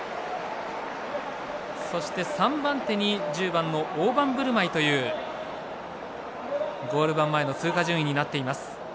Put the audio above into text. そして、３番手に１０番オオバンブルマイというゴール板前の通過順位になっています。